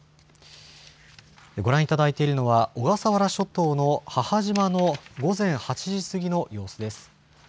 ご覧いただいているのは、小笠原諸島の母島の午前８時過ぎの様子です。